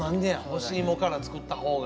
干し芋から作ったほうが。